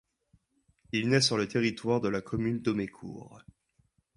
Il naît sur le territoire de la commune d'Omécourt.